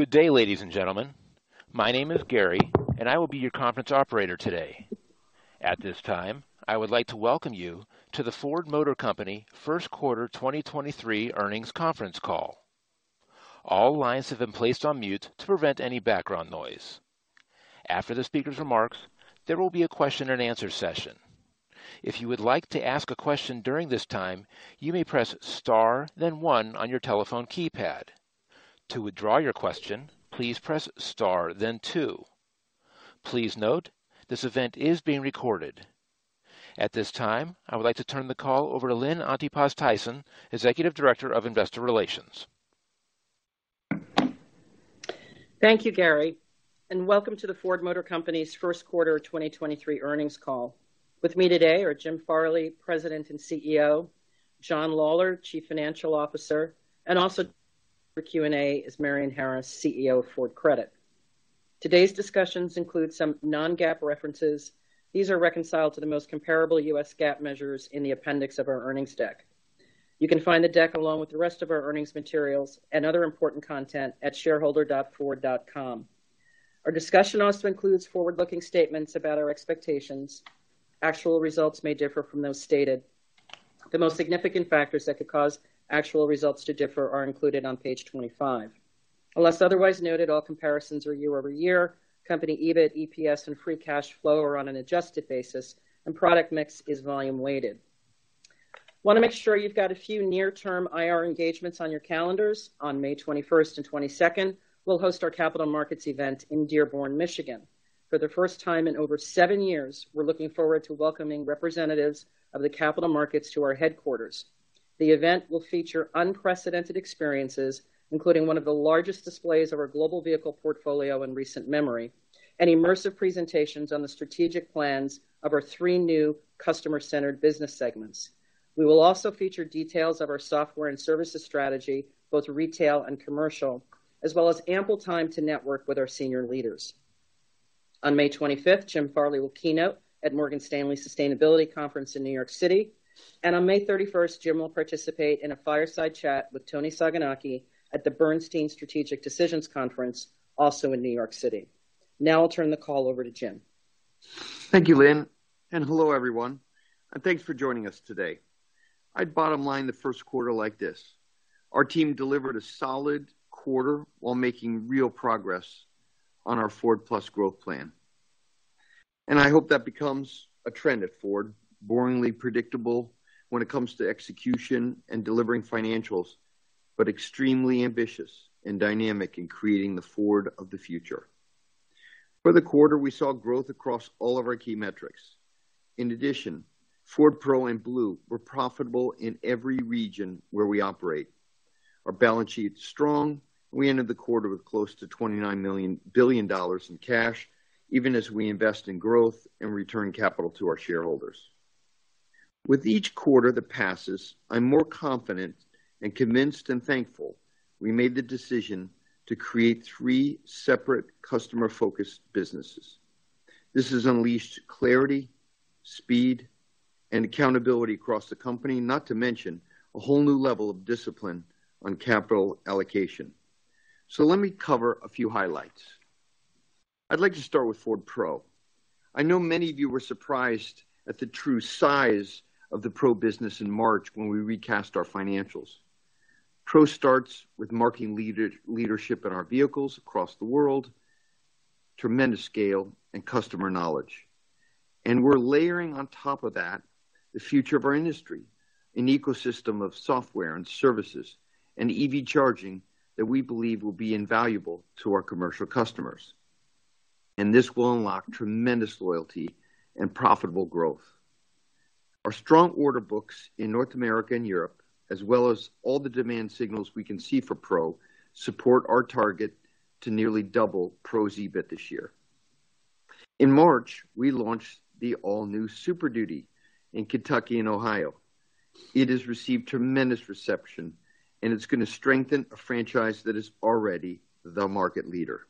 Good day, ladies and gentlemen. My name is Gary, and I will be your conference operator today. At this time, I would like to welcome you to the Ford Motor Company First Quarter 2023 Earnings Conference Call. All lines have been placed on mute to prevent any background noise. After the speaker's remarks, there will be a question and answer session. If you would like to ask a question during this time, you may press Star, then one on your telephone keypad. To withdraw your question, please press Star, then two. Please note, this event is being recorded. At this time, I would like to turn the call over to Lynn Antipas Tyson, Executive Director of Investor Relations. Thank you, Gary, welcome to the Ford Motor Company's first quarter 2023 earnings call. With me today are Jim Farley, President and CEO, John Lawler, Chief Financial Officer, also for Q&A is Marion Harris, CEO of Ford Credit. Today's discussions include some non-GAAP references. These are reconciled to the most comparable US GAAP measures in the appendix of our earnings deck. You can find the deck along with the rest of our earnings materials and other important content at shareholder.ford.com. Our discussion also includes forward-looking statements about our expectations. Actual results may differ from those stated. The most significant factors that could cause actual results to differ are included on page 25. Unless otherwise noted, all comparisons are year-over-year. Company EBIT, EPS, and free cash flow are on an adjusted basis, product mix is volume-weighted. Wanna make sure you've got a few near-term IR engagements on your calendars. On May 21st and 22nd, we'll host our Capital Markets event in Dearborn, Michigan. For the first time in over seven years, we're looking forward to welcoming representatives of the capital markets to our headquarters. The event will feature unprecedented experiences, including one of the largest displays of our global vehicle portfolio in recent memory and immersive presentations on the strategic plans of our three new customer-centered business segments. We will also feature details of our software and services strategy, both retail and commercial, as well as ample time to network with our senior leaders. On May 25th, Jim Farley will keynote at Morgan Stanley Sustainability Conference in New York City. On May 31st, Jim will participate in a fireside chat with Toni Sacconaghi at the Bernstein Strategic Decisions Conference, also in New York City. Now I'll turn the call over to Jim. Thank you, Lynn, and hello everyone, and thanks for joining us today. I'd bottom line the first quarter like this. Our team delivered a solid quarter while making real progress on our Ford+ growth plan. I hope that becomes a trend at Ford, boringly predictable when it comes to execution and delivering financials, but extremely ambitious and dynamic in creating the Ford of the future. For the quarter, we saw growth across all of our key metrics. In addition, Ford Pro and Blue were profitable in every region where we operate. Our balance sheet is strong. We ended the quarter with close to $29 billion in cash, even as we invest in growth and return capital to our shareholders. With each quarter that passes, I'm more confident and convinced and thankful we made the decision to create three separate customer-focused businesses. This has unleashed clarity, speed, and accountability across the company, not to mention a whole new level of discipline on capital allocation. Let me cover a few highlights. I'd like to start with Ford Pro. I know many of you were surprised at the true size of the Pro business in March when we recast our financials. Pro starts with marking leader-leadership in our vehicles across the world, tremendous scale, and customer knowledge. We're layering on top of that the future of our industry, an ecosystem of software and services and EV charging that we believe will be invaluable to our commercial customers. This will unlock tremendous loyalty and profitable growth. Our strong order books in North America and Europe, as well as all the demand signals we can see for Pro, support our target to nearly double Pro's EBIT this year. In March, we launched the all-new Super Duty in Kentucky and Ohio. It has received tremendous reception, and it's gonna strengthen a franchise that is already the market leader.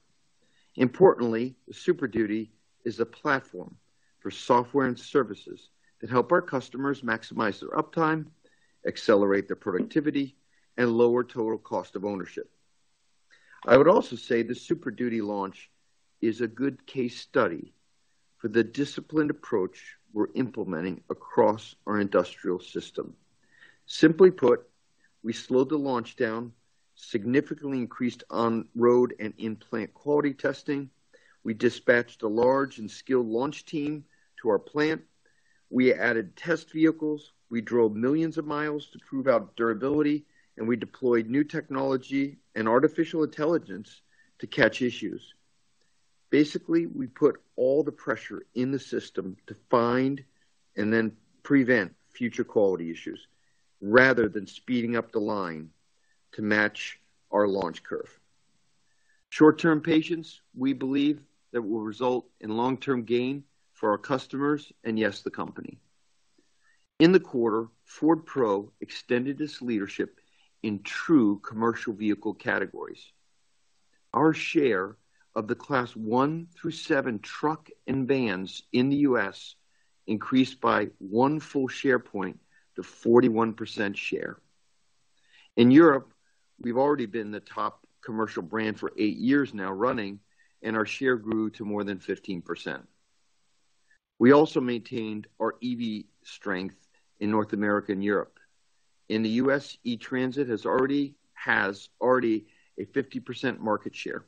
Importantly, the Super Duty is a platform for software and services that help our customers maximize their uptime, accelerate their productivity, and lower total cost of ownership. I would also say the Super Duty launch is a good case study for the disciplined approach we're implementing across our industrial system. Simply put, we slowed the launch down, significantly increased on-road and in-plant quality testing. We dispatched a large and skilled launch team to our plant. We added test vehicles. We drove millions of miles to prove out durability, and we deployed new technology and artificial intelligence to catch issues. Basically, we put all the pressure in the system to find and then prevent future quality issues rather than speeding up the line to match our launch curve. Short-term patience, we believe that will result in long-term gain for our customers and yes, the company. In the quarter, Ford Pro extended its leadership in true commercial vehicle categories. Our share of the class one through seven truck and vans in the U.S. increased by one full share point to 41% share. In Europe, we've already been the top commercial brand for eight years now running. Our share grew to more than 15%. We also maintained our EV strength in North America and Europe. In the U.S., E-Transit has already a 50% market share.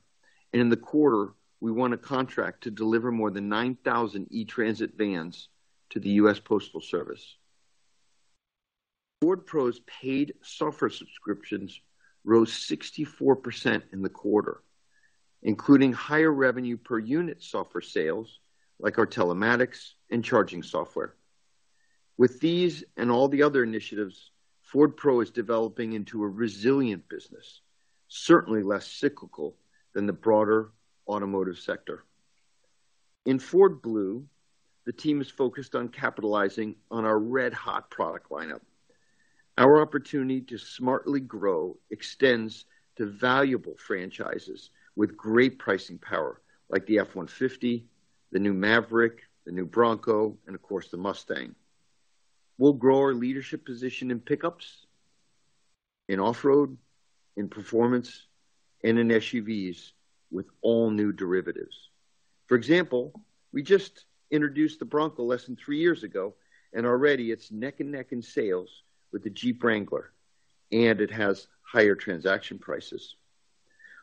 In the quarter, we won a contract to deliver more than 9,000 E-Transit vans to the U.S. Postal Service. Ford Pro's paid software subscriptions rose 64% in the quarter, including higher revenue per unit software sales, like our telematics and charging software. With these and all the other initiatives, Ford Pro is developing into a resilient business, certainly less cyclical than the broader automotive sector. In Ford Blue, the team is focused on capitalizing on our red-hot product lineup. Our opportunity to smartly grow extends to valuable franchises with great pricing power, like the F-150, the new Maverick, the new Bronco, and of course, the Mustang. We'll grow our leadership position in pickups, in off-road, in performance, and in SUVs with all new derivatives. For example, we just introduced the Bronco less than three years ago, already it's neck and neck in sales with the Jeep Wrangler, and it has higher transaction prices.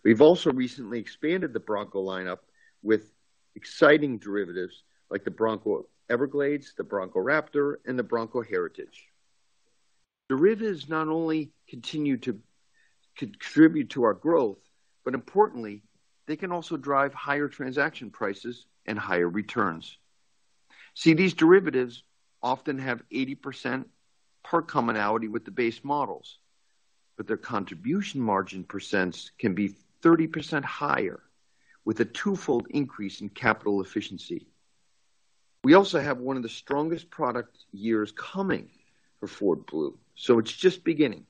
We've also recently expanded the Bronco lineup with exciting derivatives like the Bronco Everglades, the Bronco Raptor, and the Bronco Heritage. Derivatives not only continue to contribute to our growth, but importantly, they can also drive higher transaction prices and higher returns. See, these derivatives often have 80% part commonality with the base models, but their contribution margin percents can be 30% higher with a twofold increase in capital efficiency. We also have one of the strongest product years coming for Ford Blue. It's just beginning.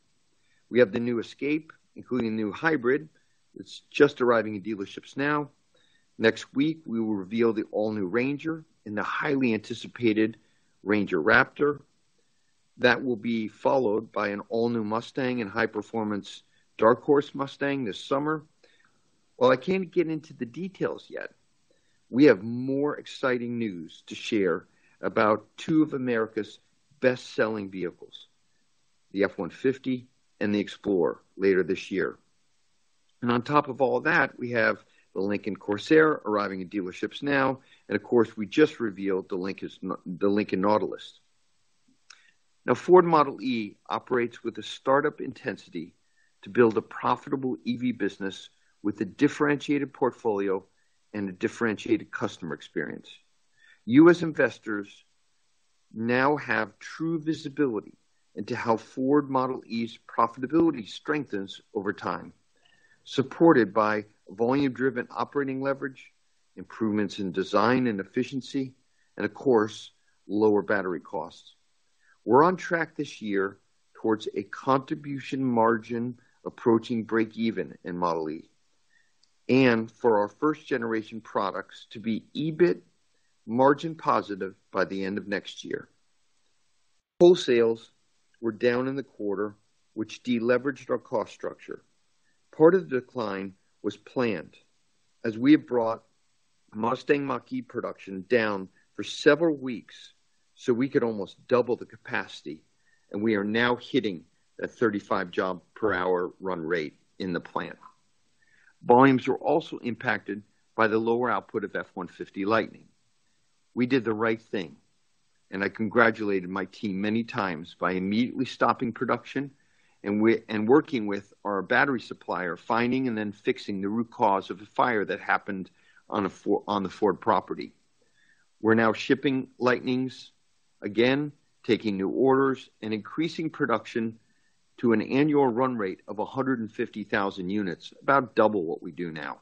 We have the new Escape, including new Hybrid. It's just arriving in dealerships now. Next week, we will reveal the all-new Ranger and the highly anticipated Ranger Raptor. That will be followed by an all-new Mustang and high-performance Dark Horse Mustang this summer. While I can't get into the details yet, we have more exciting news to share about two of America's best-selling vehicles, the F-150 and the Explorer, later this year. On top of all that, we have the Lincoln Corsair arriving in dealerships now. Of course, we just revealed the Lincoln Nautilus. Ford Model e operates with a startup intensity to build a profitable EV business with a differentiated portfolio and a differentiated customer experience. U.S. investors now have true visibility into how Ford Model e's profitability strengthens over time, supported by volume-driven operating leverage, improvements in design and efficiency, and of course, lower battery costs. We're on track this year towards a contribution margin approaching break even in Model e, and for our first-generation products to be EBIT margin positive by the end of next year. Wholesales were down in the quarter, which deleveraged our cost structure. Part of the decline was planned as we have brought Mustang Mach-E production down for several weeks, so we could almost double the capacity. We are now hitting a 35 job per hour run rate in the plant. Volumes were also impacted by the lower output of F-150 Lightning. We did the right thing. I congratulated my team many times by immediately stopping production and working with our battery supplier, finding and then fixing the root cause of the fire that happened on the Ford property. We're now shipping Lightnings again, taking new orders, and increasing production to an annual run rate of 150,000 units, about double what we do now.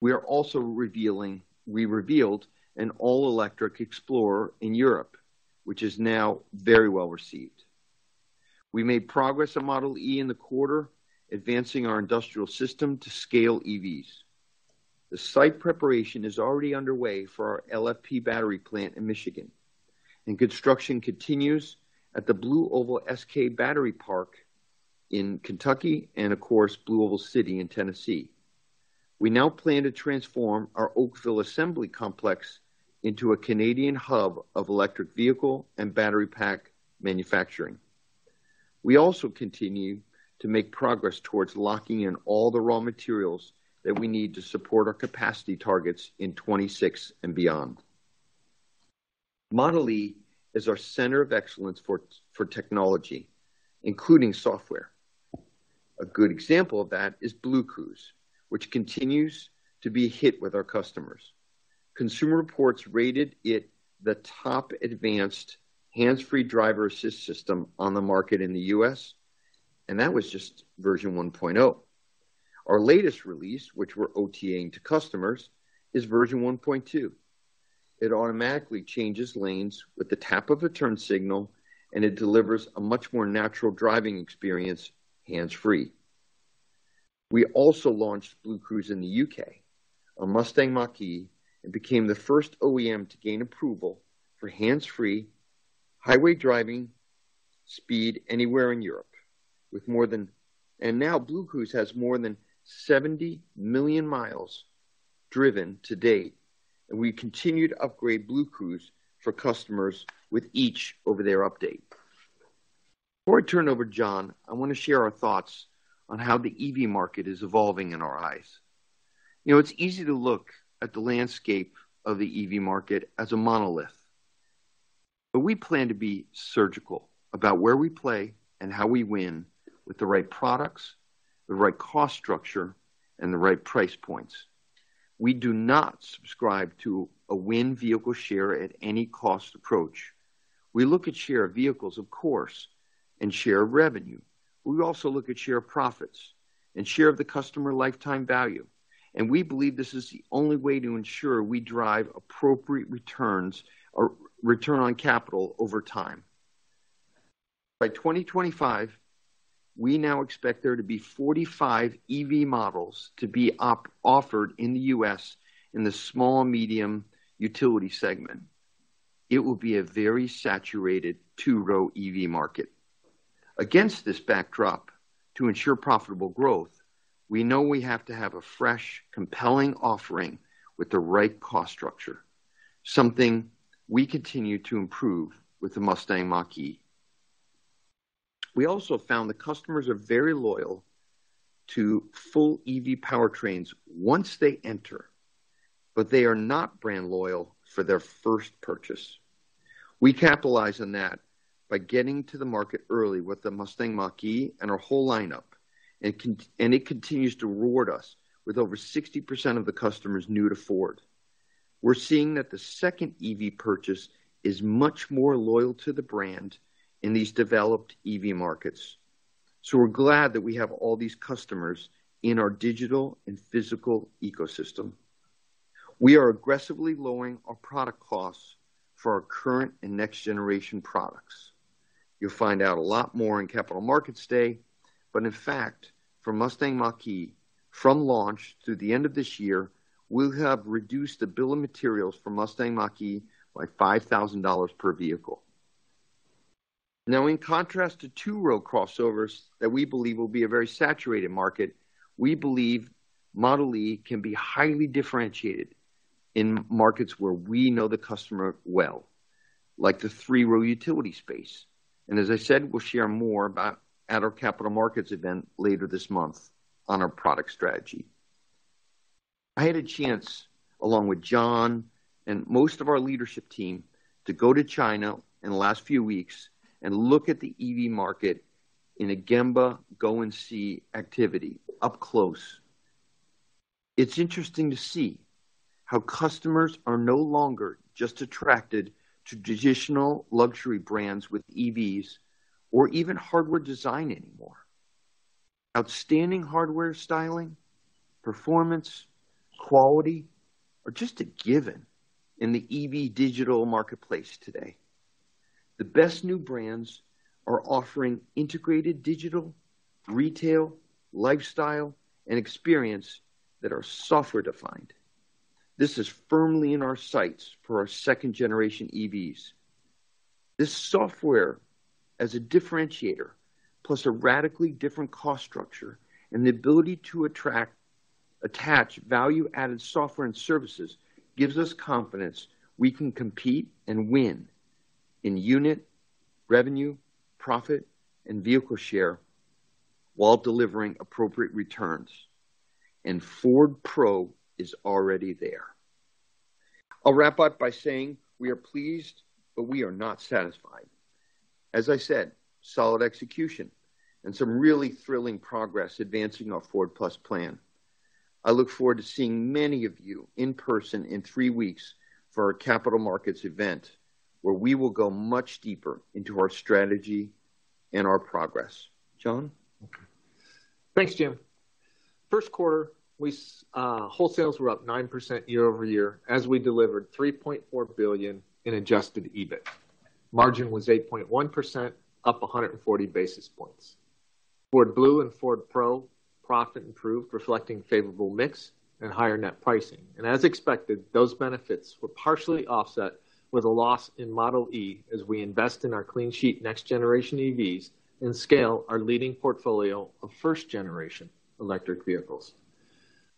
We revealed an all-electric Explorer in Europe, which is now very well-received. We made progress on Ford Model e in the quarter, advancing our industrial system to scale EVs. The site preparation is already underway for our LFP battery plant in Michigan, and construction continues at the BlueOval SK Battery Park in Kentucky and of course, BlueOval City in Tennessee. We now plan to transform our Oakville assembly complex into a Canadian hub of electric vehicle and battery pack manufacturing. We also continue to make progress towards locking in all the raw materials that we need to support our capacity targets in 26 and beyond. Ford Model e is our center of excellence for technology, including software. A good example of that is BlueCruise, which continues to be a hit with our customers. Consumer Reports rated it the top advanced hands-free driver-assist system on the market in the U.S., and that was just version 1.0. Our latest release, which we're OTA-ing to customers, is version 1.2. It automatically changes lanes with the tap of a turn signal, it delivers a much more natural driving experience hands-free. We also launched BlueCruise in the U.K. on Mustang Mach-E and became the first OEM to gain approval for hands-free highway driving speed anywhere in Europe. Now BlueCruise has more than 70 million miles driven to date, and we continue to upgrade BlueCruise for customers with each over-the-air update. Before I turn over to John, I want to share our thoughts on how the EV market is evolving in our eyes. You know, it's easy to look at the landscape of the EV market as a monolith. We plan to be surgical about where we play and how we win with the right products, the right cost structure, and the right price points. We do not subscribe to a win vehicle share at any cost approach. We look at share of vehicles, of course, and share of revenue. We also look at share of profits and share of the customer lifetime value. We believe this is the only way to ensure we drive appropriate returns or return on capital over time. By 2025, we now expect there to be 45 EV models to be offered in the U.S. in the small, medium utility segment. It will be a very saturated two-row EV market. Against this backdrop to ensure profitable growth, we know we have to have a fresh, compelling offering with the right cost structure, something we continue to improve with the Mustang Mach-E. We also found that customers are very loyal to full EV powertrains once they enter, but they are not brand loyal for their first purchase. We capitalize on that by getting to the market early with the Mustang Mach-E and our whole lineup, and it continues to reward us with over 60% of the customers new to Ford. We're seeing that the second EV purchase is much more loyal to the brand in these developed EV markets. We're glad that we have all these customers in our digital and physical ecosystem. We are aggressively lowering our product costs for our current and next generation products. You'll find out a lot more in Capital Markets Day, in fact, for Mustang Mach-E from launch through the end of this year, we'll have reduced the bill of materials for Mustang Mach-E by $5,000 per vehicle. In contrast to two-row crossovers that we believe will be a very saturated market, we believe Model e can be highly differentiated in markets where we know the customer well, like the three-row utility space. As I said, we'll share more about at our Capital Markets event later this month on our product strategy. I had a chance, along with John and most of our leadership team, to go to China in the last few weeks and look at the EV market in a Gemba go and see activity up close. It's interesting to see how customers are no longer just attracted to traditional luxury brands with EVs or even hardware design anymore. Outstanding hardware styling, performance, quality are just a given in the EV digital marketplace today. The best new brands are offering integrated digital, retail, lifestyle, and experience that are software-defined. This is firmly in our sights for our second generation EVs. This software as a differentiator, plus a radically different cost structure and the ability to attach value-added software and services gives us confidence we can compete and win in unit, revenue, profit, and vehicle share while delivering appropriate returns. Ford Pro is already there. I'll wrap up by saying we are pleased, but we are not satisfied. As I said, solid execution and some really thrilling progress advancing our Ford+ plan. I look forward to seeing many of you in person in three weeks for our Capital Markets event, where we will go much deeper into our strategy and our progress. John? Thanks, Jim. First quarter, wholesales were up 9% year-over-year as we delivered $3.4 billion in adjusted EBIT. Margin was 8.1%, up 140 basis points. Ford Blue and Ford Pro profit improved, reflecting favorable mix and higher net pricing. As expected, those benefits were partially offset with a loss in Model e as we invest in our clean sheet next generation EVs and scale our leading portfolio of first-generation electric vehicles.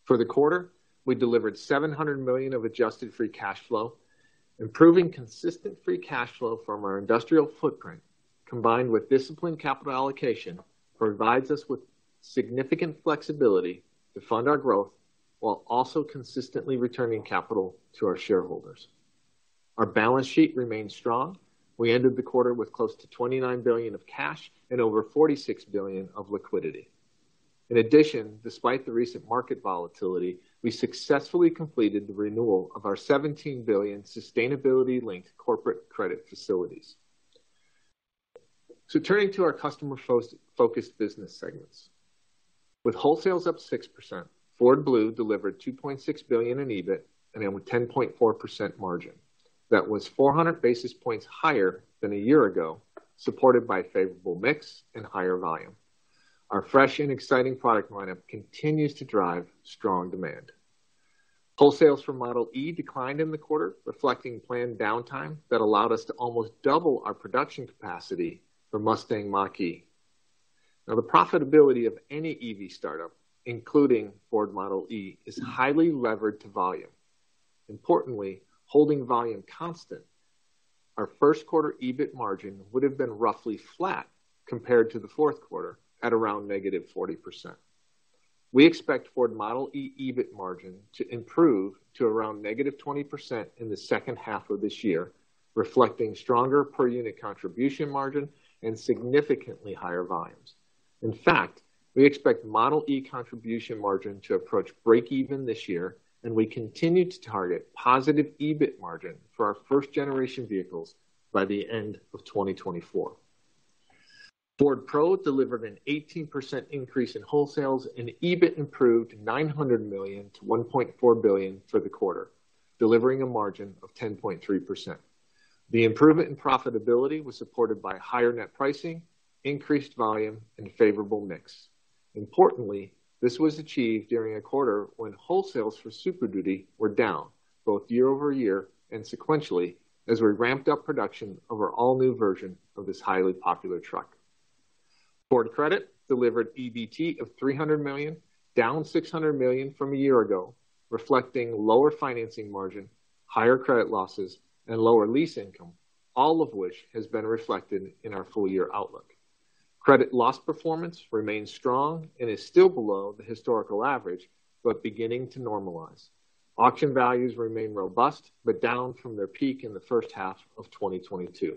For the quarter, we delivered $700 million of adjusted free cash flow. Improving consistent free cash flow from our industrial footprint, combined with disciplined capital allocation, provides us with significant flexibility to fund our growth while also consistently returning capital to our shareholders. Our balance sheet remains strong. We ended the quarter with close to $29 billion of cash and over $46 billion of liquidity. In addition, despite the recent market volatility, we successfully completed the renewal of our $17 billion sustainability-linked corporate credit facilities. Turning to our customer focused business segments. With wholesales up 6%, Ford Blue delivered $2.6 billion in EBIT and then with 10.4% margin. That was 400 basis points higher than a year ago, supported by favorable mix and higher volume. Our fresh and exciting product lineup continues to drive strong demand. Wholesales for Model e declined in the quarter, reflecting planned downtime that allowed us to almost double our production capacity for Mustang Mach-E. Now, the profitability of any EV startup, including Ford Model e, is highly levered to volume. Importantly, holding volume constant, our first quarter EBIT margin would have been roughly flat compared to the fourth quarter at around -40%. We expect Ford Model e EBIT margin to improve to around -20% in the second half of this year, reflecting stronger per-unit contribution margin and significantly higher volumes. In fact, we expect Model e contribution margin to approach break even this year, and we continue to target positive EBIT margin for our first-generation vehicles by the end of 2024. Ford Pro delivered an 18% increase in wholesales, and EBIT improved $900 million-$1.4 billion for the quarter, delivering a margin of 10.3%. The improvement in profitability was supported by higher net pricing, increased volume and favorable mix. Importantly, this was achieved during a quarter when wholesales for Super Duty were down both year-over-year and sequentially as we ramped up production of our all-new version of this highly popular truck. Ford Credit delivered EBT of $300 million, down $600 million from a year ago, reflecting lower financing margin, higher credit losses and lower lease income, all of which has been reflected in our full-year outlook. Credit loss performance remains strong and is still below the historical average, but beginning to normalize. Auction values remain robust, down from their peak in the first half of 2022.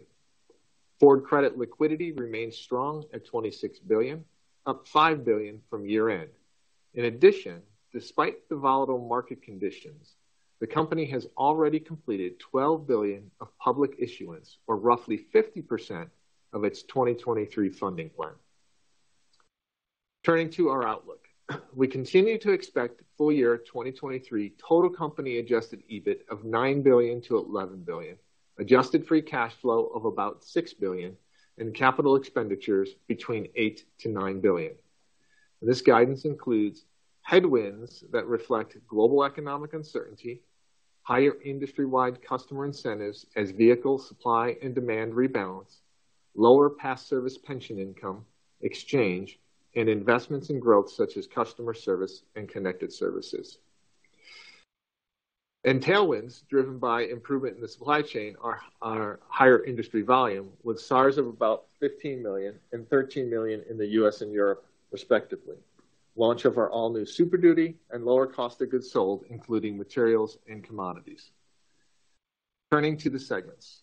Ford Credit liquidity remains strong at $26 billion, up $5 billion from year-end. Despite the volatile market conditions, the company has already completed $12 billion of public issuance, or roughly 50% of its 2023 funding plan. Turning to our outlook, we continue to expect full-year 2023 total company adjusted EBIT of $9 billion-$11 billion, adjusted free cash flow of about $6 billion and capital expenditures between $8 billion-$9 billion. This guidance includes headwinds that reflect global economic uncertainty, higher industry-wide customer incentives as vehicle supply and demand rebalance, lower past service pension income, exchange, and investments in growth such as customer service and connected services. Tailwinds driven by improvement in the supply chain are higher industry volume with SARs of about 15 million and 13 million in the U.S. and Europe respectively. Launch of our all-new Super Duty and lower cost of goods sold, including materials and commodities. Turning to the segments.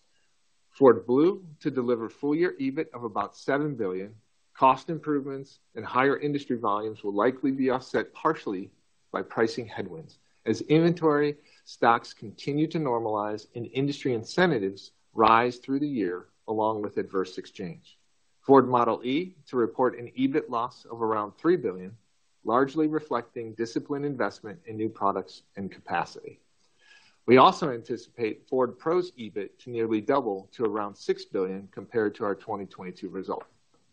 Ford Blue to deliver full-year EBIT of about $7 billion. Cost improvements and higher industry volumes will likely be offset partially by pricing headwinds as inventory stocks continue to normalize and industry incentives rise through the year along with adverse exchange. Ford Model e to report an EBIT loss of around $3 billion, largely reflecting disciplined investment in new products and capacity. We also anticipate Ford Pro's EBIT to nearly double to around $6 billion compared to our 2022 result.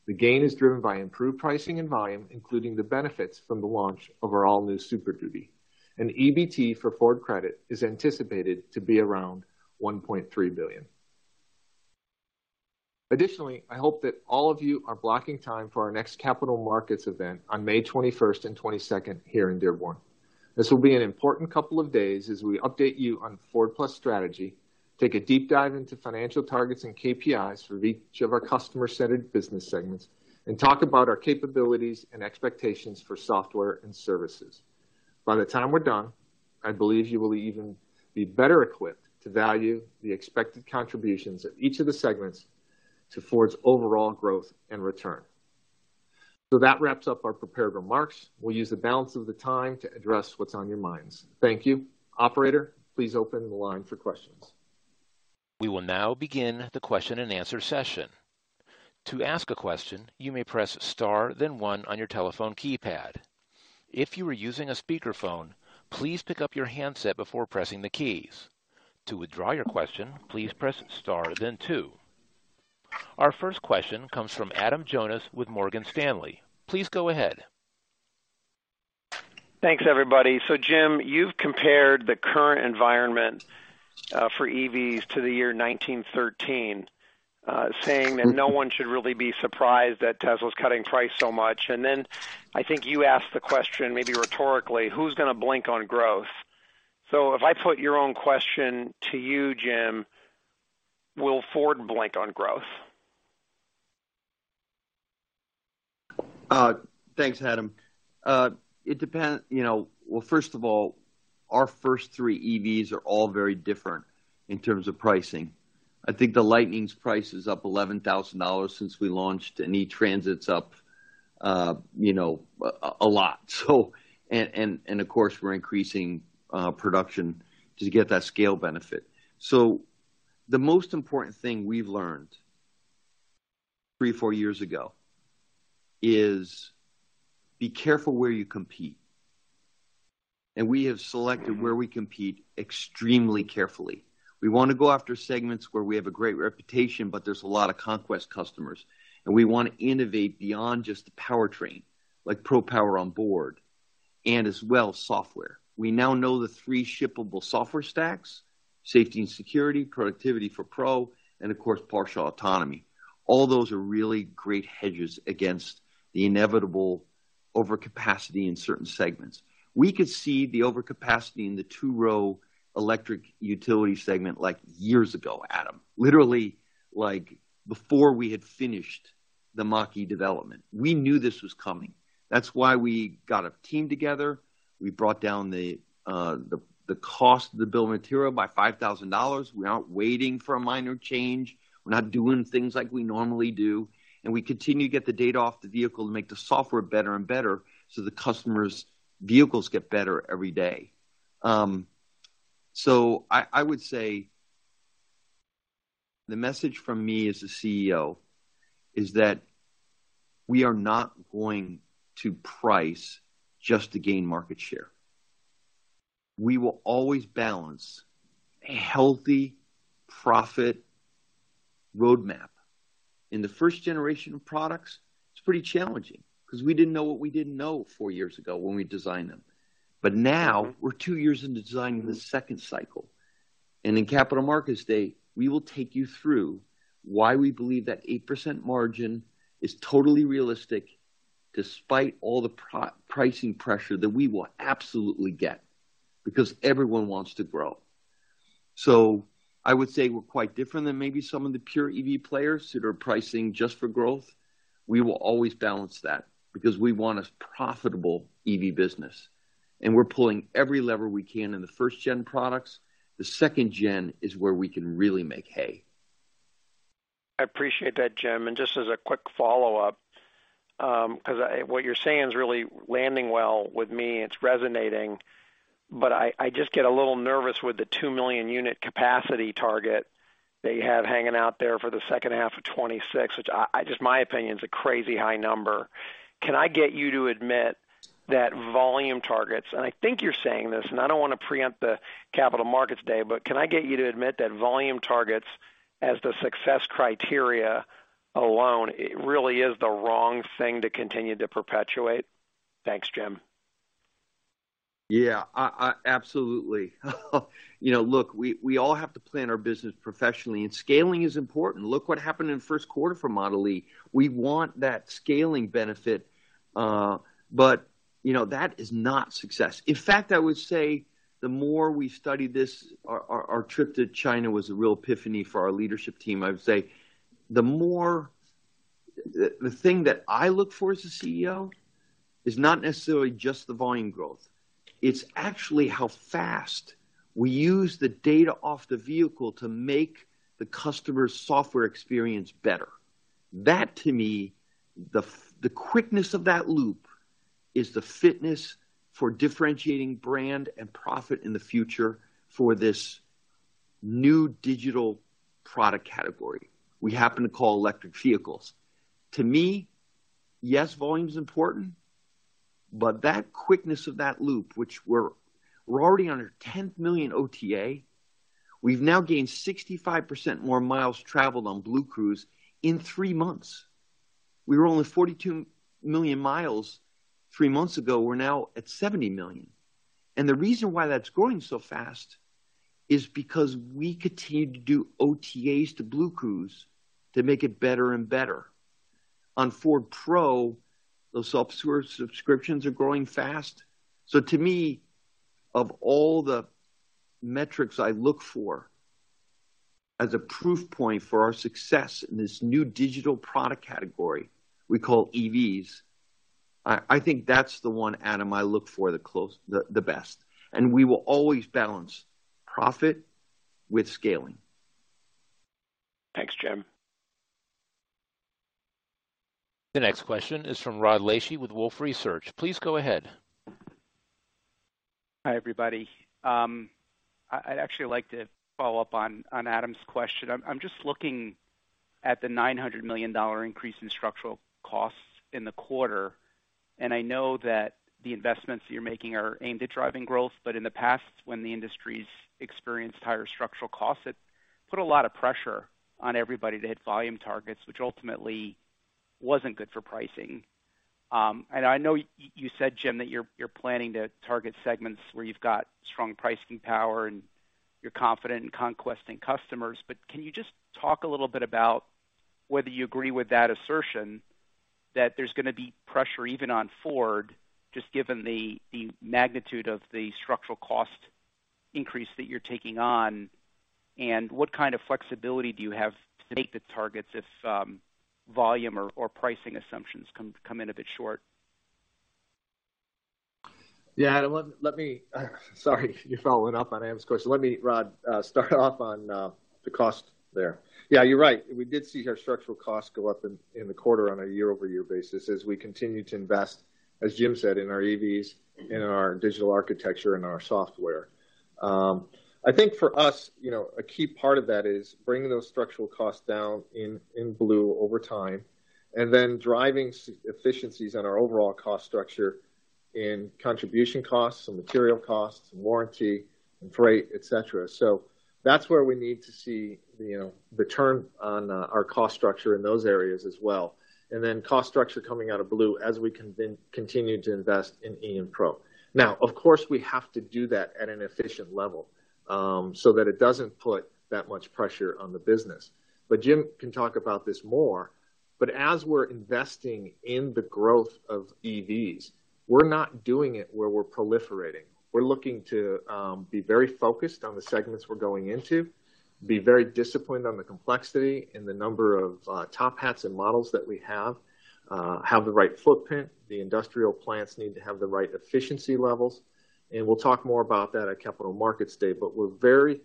The gain is driven by improved pricing and volume, including the benefits from the launch of our all-new Super Duty. EBT for Ford Credit is anticipated to be around $1.3 billion. Additionally, I hope that all of you are blocking time for our next Capital Markets Day on May 21st and 22nd here in Dearborn. This will be an important couple of days as we update you on Ford+ strategy, take a deep dive into financial targets and KPIs for each of our customer-centered business segments, and talk about our capabilities and expectations for software and services. By the time we're done, I believe you will even be better equipped to value the expected contributions of each of the segments to Ford's overall growth and return. That wraps up our prepared remarks. We'll use the balance of the time to address what's on your minds. Thank you. Operator, please open the line for questions. We will now begin the question-and-answer session. To ask a question, you may press star, then one on your telephone keypad. If you are using a speakerphone, please pick up your handset before pressing the keys. To withdraw your question, please press star then two. Our first question comes from Adam Jonas with Morgan Stanley. Please go ahead. Thanks, everybody. Jim, you've compared the current environment for EVs to the year 1913, saying that no one should really be surprised that Tesla's cutting price so much. I think you asked the question maybe rhetorically, who's gonna blink on growth? If I put your own question to you, Jim, will Ford blink on growth? Thanks, Adam. It depends, you know. Well, first of all, our first three EVs are all very different in terms of pricing. I think the Lightning's price is up $11,000 since we launched, and E-Transit's up, you know, a lot. And of course, we're increasing production to get that scale benefit. The most important thing we've learned Three or four years ago is be careful where you compete. We have selected where we compete extremely carefully. We want to go after segments where we have a great reputation, but there's a lot of conquest customers. We want to innovate beyond just the powertrain, like Pro Power Onboard and as well, software. We now know the three shippable software stacks, safety and security, productivity for Pro, and of course, partial autonomy. All those are really great hedges against the inevitable overcapacity in certain segments. We could see the overcapacity in the two-row electric utility segment like years ago, Adam, literally like before we had finished the Mach-E development. We knew this was coming. That's why we got a team together. We brought down the cost of the bill of material by $5,000. We're not waiting for a minor change. We're not doing things like we normally do. We continue to get the data off the vehicle to make the software better and better so the customer's vehicles get better every day. I would say the message from me as the CEO is that we are not going to price just to gain market share. We will always balance a healthy profit roadmap. In the first generation of products, it's pretty challenging because we didn't know what we didn't know four years ago when we designed them. Now we're two years into designing the second cycle. In Capital Markets Day, we will take you through why we believe that 8% margin is totally realistic despite all the pro-pricing pressure that we will absolutely get because everyone wants to grow. I would say we're quite different than maybe some of the pure EV players that are pricing just for growth. We will always balance that because we want a profitable EV business, and we're pulling every lever we can in the first-gen products. The second gen is where we can really make hay. I appreciate that, Jim. Just as a quick follow-up, what you're saying is really landing well with me, it's resonating, but I just get a little nervous with the 2 million unit capacity target that you have hanging out there for the second half of 2026, which I just my opinion is a crazy high number. Can I get you to admit that volume targets, and I think you're saying this, and I don't want to preempt the Capital Markets Day, but can I get you to admit that volume targets as the success criteria alone, it really is the wrong thing to continue to perpetuate? Thanks, Jim. Yeah. Absolutely. You know, look, we all have to plan our business professionally, and scaling is important. Look what happened in first quarter for Model e. We want that scaling benefit, but you know, that is not success. In fact, I would say the more we study this, our trip to China was a real epiphany for our leadership team. I would say the thing that I look for as a CEO is not necessarily just the volume growth. It's actually how fast we use the data off the vehicle to make the customer's software experience better. That to me, the quickness of that loop is the fitness for differentiating brand and profit in the future for this new digital product category we happen to call electric vehicles. To me, yes, volume is important, but that quickness of that loop, which we're already on our 10 million OTA. We've now gained 65% more miles traveled on BlueCruise in three months. We were only 42 million miles three months ago. We're now at 70 million. The reason why that's growing so fast is because we continue to do OTAs to BlueCruise to make it better and better. On Ford Pro, those subscriptions are growing fast. To me, of all the metrics I look for as a proof point for our success in this new digital product category we call EVs, I think that's the one, Adam, I look for the best. We will always balance profit with scaling. Thanks, Jim. The next question is from Rod Lache with Wolfe Research. Please go ahead. Hi, everybody. I'd actually like to follow up on Adam's question. I'm just looking at the $900 million increase in structural costs in the quarter, and I know that the investments you're making are aimed at driving growth. In the past, when the industry's experienced higher structural costs, it put a lot of pressure on everybody to hit volume targets, which ultimately wasn't good for pricing. I know you said, Jim, that you're planning to target segments where you've got strong pricing power and you're confident in conquesting customers. Can you just talk a little bit about whether you agree with that assertion that there's gonna be pressure even on Ford, just given the magnitude of the structural cost increase that you're taking on, and what kind of flexibility do you have to make the targets if volume or pricing assumptions come in a bit short? Adam, let me, sorry, you're following up on Adam's question. Let me, Rod, start off on the cost there. You're right. We did see our structural costs go up in the quarter on a year-over-year basis as we continue to invest, as Jim said, in our EVs, in our digital architecture and our software. I think for us, you know, a key part of that is bringing those structural costs down in Blue over time and then driving efficiencies on our overall cost structure. In contribution costs and material costs and warranty and freight, et cetera. That's where we need to see, you know, the turn on our cost structure in those areas as well. Cost structure coming out of Ford Blue as we continue to invest in Ford Model e and Ford Pro. Of course, we have to do that at an efficient level so that it doesn't put that much pressure on the business. Jim can talk about this more, but as we're investing in the growth of EVs, we're not doing it where we're proliferating. We're looking to be very focused on the segments we're going into, be very disciplined on the complexity and the number of top hats and models that we have the right footprint. The industrial plants need to have the right efficiency levels, and we'll talk more about that at Capital Markets Day. We're very,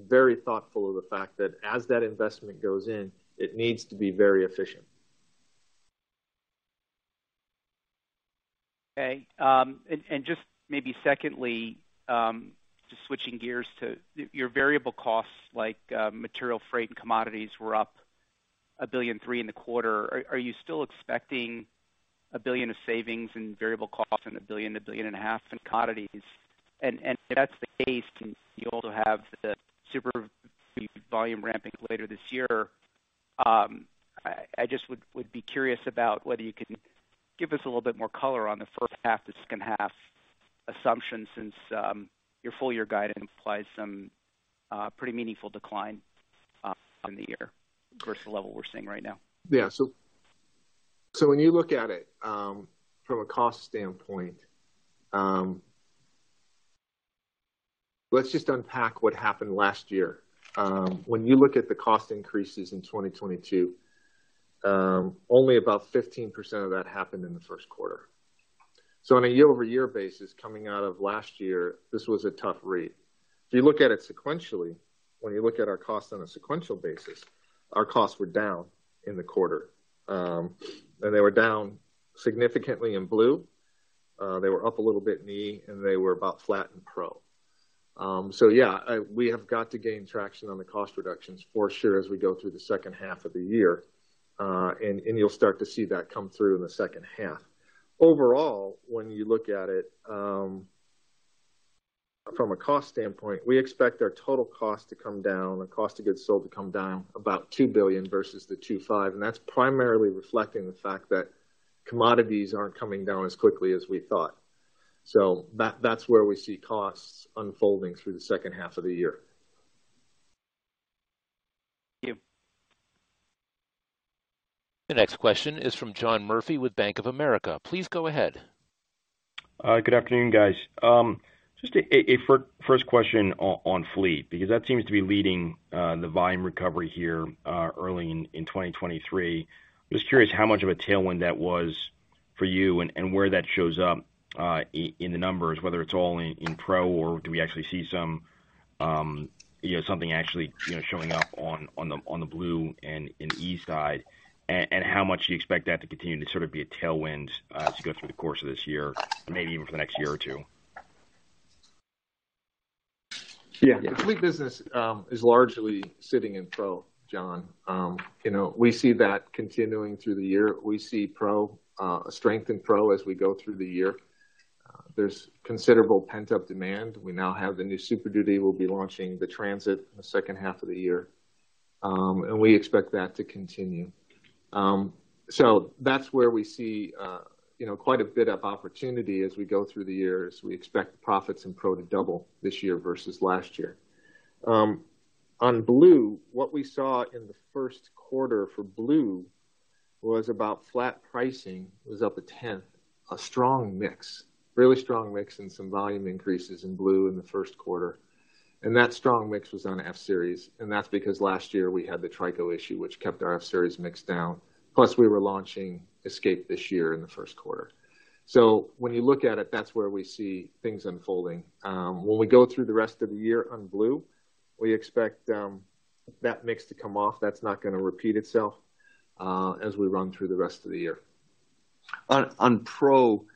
very thoughtful of the fact that as that investment goes in, it needs to be very efficient. Just maybe secondly, just switching gears to your variable costs, material freight and commodities were up $1.3 billion in the quarter. Are you still expecting $1 billion of savings in variable costs and $1.5 billion in commodities? If that's the case, can you also have the Super Duty volume ramping later this year? I just would be curious about whether you can give us a little bit more color on the first half, the second half assumption, since your full year guidance implies some pretty meaningful decline on the year versus the level we're seeing right now. Yeah. When you look at it from a cost standpoint, let's just unpack what happened last year. When you look at the cost increases in 2022, only about 15% of that happened in the first quarter. On a year-over-year basis coming out of last year, this was a tough read. If you look at it sequentially, when you look at our costs on a sequential basis, our costs were down in the quarter. They were down significantly in Ford Blue, they were up a little bit in Ford Model e, and they were about flat in Ford Pro. Yeah, we have got to gain traction on the cost reductions for sure as we go through the second half of the year, you'll start to see that come through in the second half. Overall, when you look at it, from a cost standpoint, we expect our total cost to come down, our cost of goods sold to come down about $2 billion versus the $2.5 billion. That's primarily reflecting the fact that commodities aren't coming down as quickly as we thought. That's where we see costs unfolding through the second half of the year. Thank you. The next question is from John Murphy with Bank of America. Please go ahead. Good afternoon, guys. Just a first question on fleet, because that seems to be leading the volume recovery here early in 2023. Just curious how much of a tailwind that was for you and where that shows up in the numbers, whether it's all in Pro or do we actually see some, you know, something actually, you know, showing up on the Blue and in the E side, and how much do you expect that to continue to sort of be a tailwind to go through the course of this year, maybe even for the next year or two? Yeah. The fleet business is largely sitting in Ford Pro, John. You know, we see that continuing through the year. We see Ford Pro strength in Ford Pro as we go through the year. There's considerable pent-up demand. We now have the new Super Duty. We'll be launching the Transit in the second half of the year. We expect that to continue. That's where we see, you know, quite a bit of opportunity as we go through the year, as we expect profits in Ford Pro to double this year versus last year. On Ford Blue, what we saw in the first quarter for Ford Blue was about flat pricing. It was up a tenth, a strong mix, really strong mix and some volume increases in Ford Blue in the first quarter. That strong mix was on F-Series, and that's because last year we had the TRICO issue which kept our F-Series mix down. We were launching Escape this year in the first quarter. When you look at it, that's where we see things unfolding. When we go through the rest of the year on Blue, we expect that mix to come off. That's not gonna repeat itself as we run through the rest of the year. On Pro,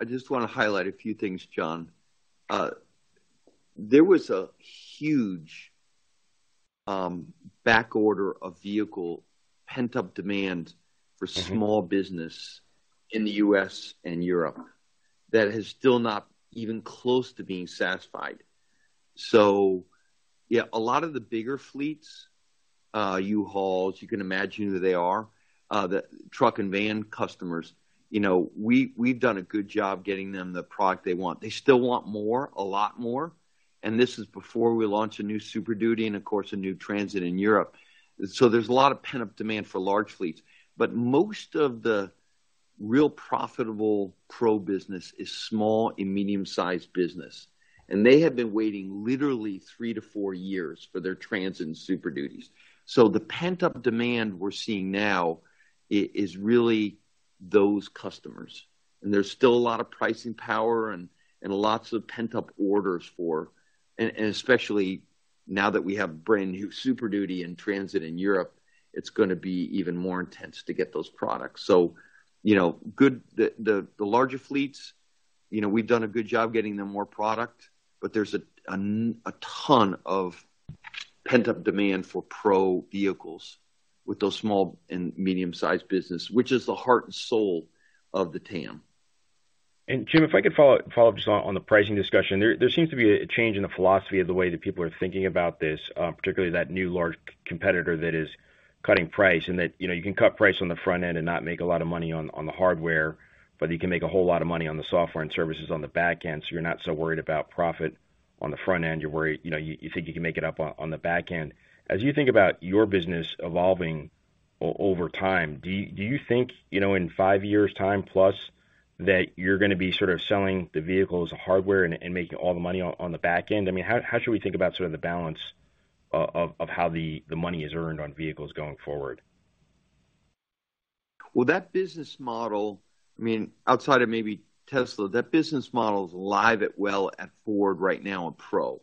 I just wanna highlight a few things, John. There was a huge backorder of vehicle pent-up demand for small business in the U.S. and Europe that is still not even close to being satisfied. Yeah, a lot of the bigger fleets, U-Haul, you can imagine who they are, the truck and van customers, you know, we've done a good job getting them the product they want. They still want more, a lot more, and this is before we launch a new Super Duty and of course, a new Transit in Europe. There's a lot of pent-up demand for large fleets, but most of the real profitable Ford Pro business is small and medium-sized business, and they have been waiting literally three to four years for their Transit and Super Duties. The pent-up demand we're seeing now is really those customers. And there's still a lot of pricing power and lots of pent-up orders for. Especially now that we have brand new Super Duty and Transit in Europe, it's gonna be even more intense to get those products. You know, good... The larger fleets, you know, we've done a good job getting them more product, but there's a ton of- Pent-up demand for Pro vehicles with those small and medium-sized business, which is the heart and soul of the TAM. Jim, if I could follow up just on the pricing discussion. There seems to be a change in the philosophy of the way that people are thinking about this, particularly that new large competitor that is cutting price and that, you know, you can cut price on the front end and not make a lot of money on the hardware, but you can make a whole lot of money on the software and services on the back end, so you're not so worried about profit on the front end. You know, you think you can make it up on the back end. As you think about your business evolving over time, do you think, you know, in five years' time plus that you're gonna be sort of selling the vehicles, the hardware and making all the money on the back end? I mean, how should we think about sort of the balance of how the money is earned on vehicles going forward? Well, that business model, I mean, outside of maybe Tesla, that business model is live at well at Ford right now on Pro.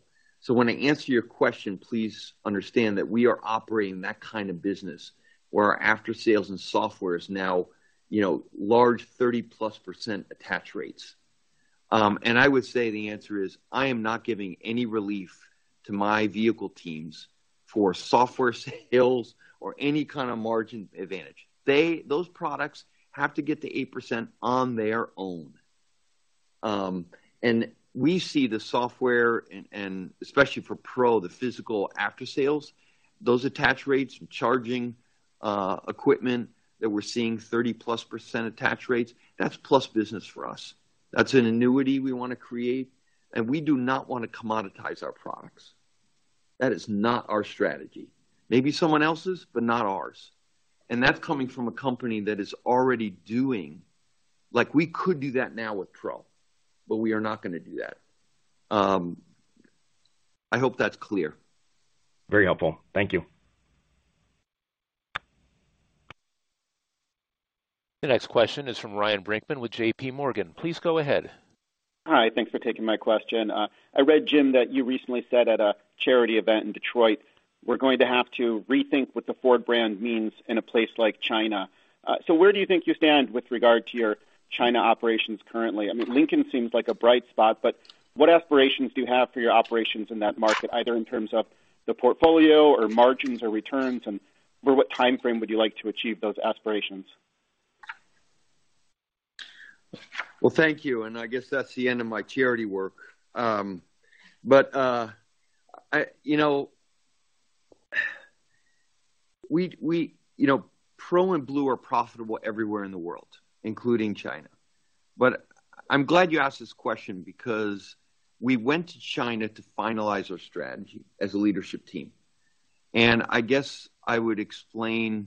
When I answer your question, please understand that we are operating that kind of business where our after-sales and software is now, you know, large 30%+ attach rates. I would say the answer is, I am not giving any relief to my vehicle teams for software sales or any kind of margin advantage. Those products have to get to 8% on their own. We see the software and especially for Pro, the physical after-sales, those attach rates, charging equipment that we're seeing 30%+ attach rates, that's plus business for us. That's an annuity we wanna create, we do not wanna commoditize our products. That is not our strategy. Maybe someone else's, not ours. That's coming from a company that is already doing... Like, we could do that now with Pro, but we are not gonna do that. I hope that's clear. Very helpful. Thank you. The next question is from Ryan Brinkman with JPMorgan. Please go ahead. Hi. Thanks for taking my question. I read, Jim, that you recently said at a charity event in Detroit, we're going to have to rethink what the Ford brand means in a place like China. Where do you think you stand with regard to your China operations currently? I mean, Lincoln seems like a bright spot, but what aspirations do you have for your operations in that market, either in terms of the portfolio or margins or returns, and for what timeframe would you like to achieve those aspirations? Thank you, and I guess that's the end of my charity work. You know, we... You know, Pro and Blue are profitable everywhere in the world, including China. I'm glad you asked this question because we went to China to finalize our strategy as a leadership team. I guess I would explain.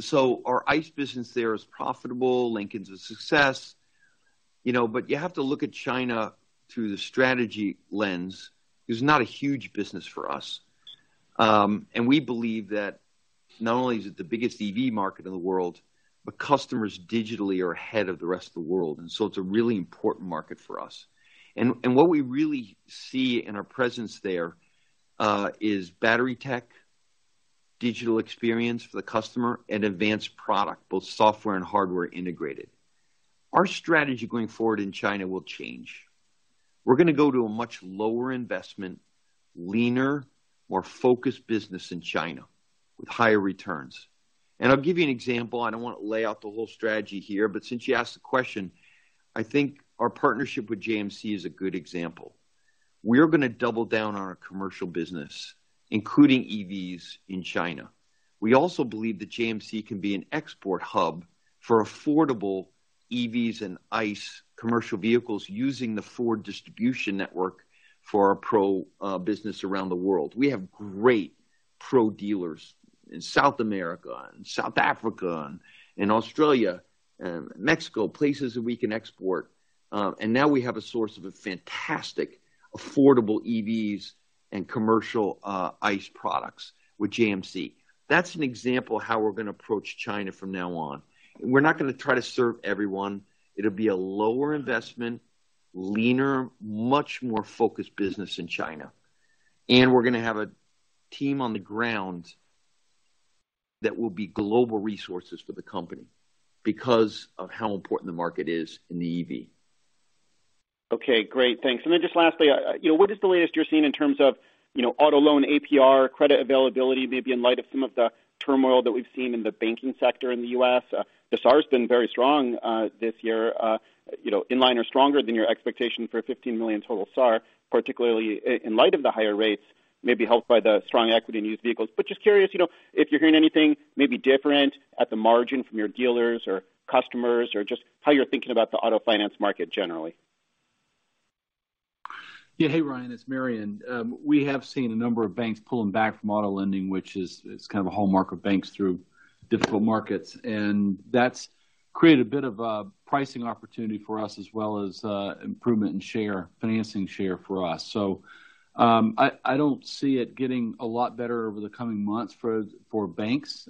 So our ICE business there is profitable. Lincoln's a success, you know. You have to look at China through the strategy lens. It's not a huge business for us. We believe that not only is it the biggest EV market in the world, but customers digitally are ahead of the rest of the world, and so it's a really important market for us. What we really see in our presence there, is battery tech, digital experience for the customer and advanced product, both software and hardware integrated. Our strategy going forward in China will change. We're gonna go to a much lower investment, leaner, more focused business in China with higher returns. I'll give you an example. I don't wanna lay out the whole strategy here, but since you asked the question, I think our partnership with JMC is a good example. We're gonna double down on our commercial business, including EVs in China. We also believe that JMC can be an export hub for affordable EVs and ICE commercial vehicles using the Ford distribution network for our Pro business around the world. We have great Pro dealers in South America and South Africa and Australia, Mexico, places that we can export, and now we have a source of a fantastic affordable EVs and commercial ICE products with JMC. That's an example of how we're gonna approach China from now on. We're not gonna try to serve everyone. It'll be a lower investment, leaner, much more focused business in China. We're gonna have a team on the ground that will be global resources for the company because of how important the market is in the EV. Okay. Great. Thanks. Just lastly, you know, what is the latest you're seeing in terms of, you know, auto loan APR, credit availability, maybe in light of some of the turmoil that we've seen in the banking sector in the U.S.? The SAR's been very strong this year, you know, in line or stronger than your expectation for a 15 million total SAR, particularly in light of the higher rates, maybe helped by the strong equity in used vehicles. Just curious, you know, if you're hearing anything maybe different at the margin from your dealers or customers or just how you're thinking about the auto finance market generally. Hey, Ryan, it's Marion. We have seen a number of banks pulling back from auto lending, which is kind of a hallmark of banks through difficult markets, and that's created a bit of a pricing opportunity for us, as well as improvement in share, financing share for us. I don't see it getting a lot better over the coming months for banks.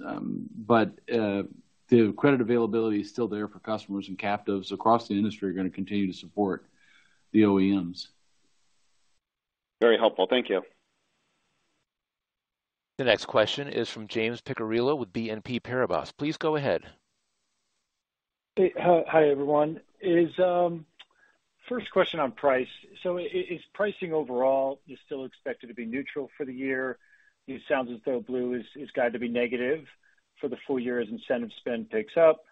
The credit availability is still there for customers, and captives across the industry are gonna continue to support the OEMs. Very helpful. Thank you. The next question is from James Picariello with BNP Paribas. Please go ahead. Hey, hi, everyone. First question on price. Is pricing overall is still expected to be neutral for the year? It sounds as though Blue has got to be negative for the full year as incentive spend picks up.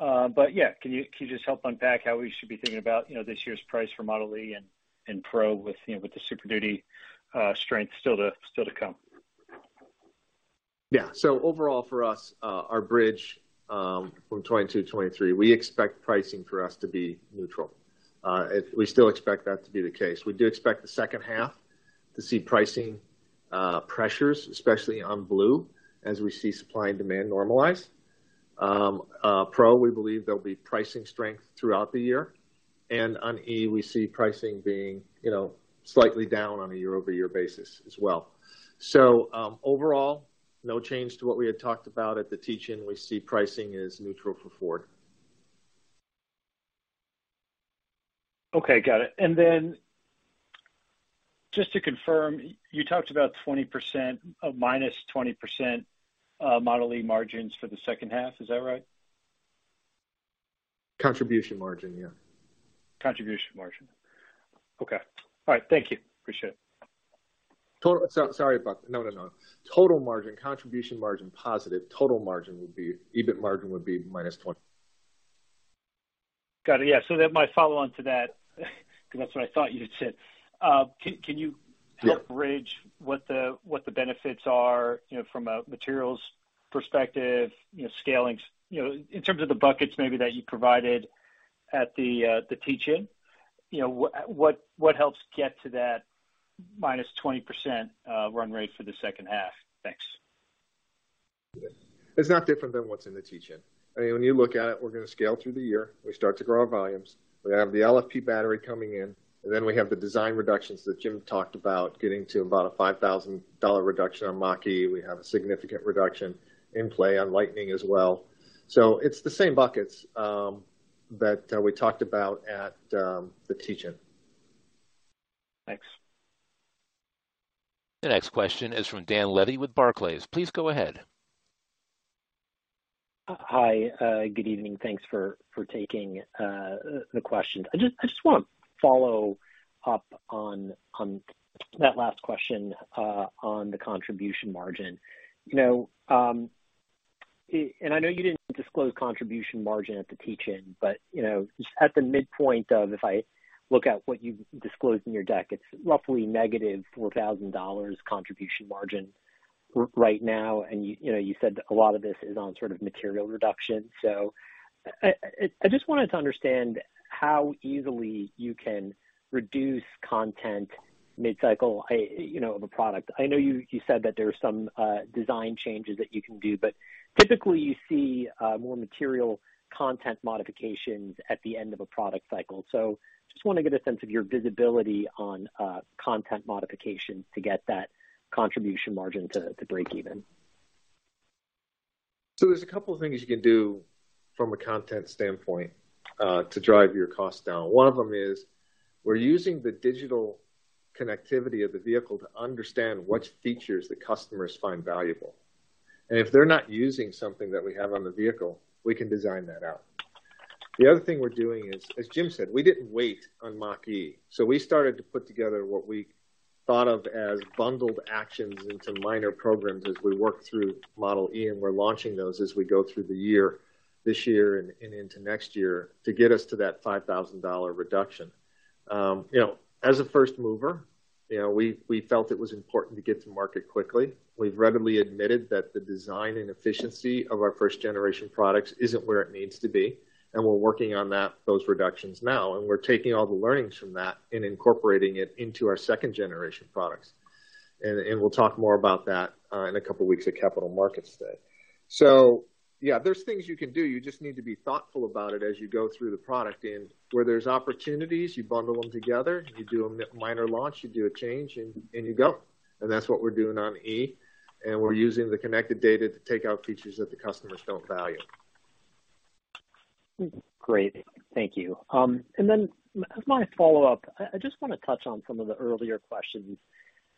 Yeah, can you just help unpack how we should be thinking about, you know, this year's price for Model e and Pro with, you know, with the Super Duty strength still to come? Overall for us, our bridge from 2022 to 2023, we expect pricing for us to be neutral. We still expect that to be the case. We do expect the second half to see pricing pressures, especially on Ford Blue as we see supply and demand normalize. Ford Pro, we believe there will be pricing strength throughout the year. And on Ford Model e, we see pricing being, you know, slightly down on a year-over-year basis as well. Overall, no change to what we had talked about at the Teach-In. We see pricing is neutral for Ford Motor Company. Okay, got it. Just to confirm, you talked about -20% Model e margins for the second half. Is that right? Contribution margin, yeah. Contribution margin. Okay. All right. Thank you. Appreciate it. No, no. Total margin, contribution margin, positive. EBIT margin would be -20%. Got it. Yeah. My follow on to that, 'cause that's what I thought you had said. Can you. Yeah. -help bridge what the benefits are, you know, from a materials perspective, you know, scaling, you know, in terms of the buckets maybe that you provided at the Teach-In. You know, what helps get to that -20% run rate for the second half? Thanks. It's not different than what's in the Teach-In. I mean, when you look at it, we're gonna scale through the year. We start to grow our volumes. We have the LFP battery coming in. We have the design reductions that Jim talked about, getting to about a $5,000 reduction on Mach-E. We have a significant reduction in Play on Lightning as well. It's the same buckets that we talked about at the Teach-In. Thanks. The next question is from Dan Levy with Barclays. Please go ahead. Hi. Good evening. Thanks for taking the question. I just wanna follow up on that last question on the contribution margin. You know, and I know you didn't disclose contribution margin at the Teach-In, but, you know, just at the midpoint of if I look at what you've disclosed in your deck, it's roughly negative $4,000 contribution margin right now. And you know, you said a lot of this is on sort of material reduction. So I just wanted to understand how easily you can reduce content mid-cycle, you know, of a product. I know you said that there are some design changes that you can do, but typically you see more material content modifications at the end of a product cycle. Just want to get a sense of your visibility on content modifications to get that contribution margin to break even. There's a couple of things you can do from a content standpoint to drive your costs down. One of them is we're using the digital connectivity of the vehicle to understand which features the customers find valuable. If they're not using something that we have on the vehicle, we can design that out. The other thing we're doing is, as Jim said, we didn't wait on Mach-E, we started to put together what we thought of as bundled actions into minor programs as we work through Model E, we're launching those as we go through the year, this year and into next year to get us to that $5,000 reduction. You know, as a first mover, you know, we felt it was important to get to market quickly. We've readily admitted that the design and efficiency of our first-generation products isn't where it needs to be, we're working on those reductions now, we're taking all the learnings from that and incorporating it into our second-generation products. We'll talk more about that in a couple weeks at Capital Markets Day. Yeah, there's things you can do. You just need to be thoughtful about it as you go through the product. Where there's opportunities, you bundle them together, you do a minor launch, you do a change, and you go. That's what we're doing on E, we're using the connected data to take out features that the customers don't value. Great. Thank you. Then as my follow-up, I just wanna touch on some of the earlier questions